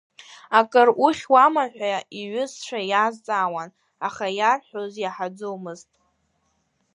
Акыр ухьуама ҳәа иҩызцәа иазҵаауан, аха иарҳәоз иаҳаӡомызт.